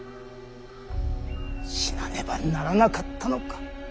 死なねばならなかったのか。